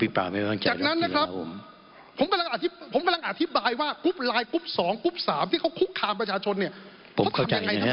ผมเข้าใจอย่างเนี้ยครับ